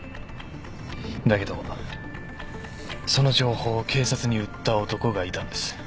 だけどその情報を警察に売った男がいたんです。